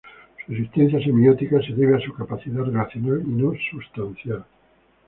Su existencia semiótica se debe a su capacidad relacional y no sustancial.